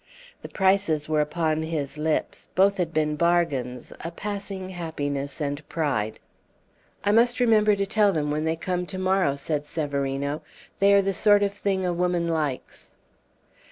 The prices were upon his lips; both had been bargains, a passing happiness and pride. "I must remember to tell them when they come to morrow," said Severino. "They are the sort of thing a woman likes."